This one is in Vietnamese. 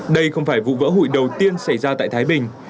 đây không phải vụ vỡ hụi đầu tiên xảy ra tại thái bình